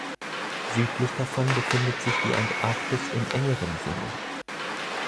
Südlich davon befindet sich die Antarktis im engeren Sinne.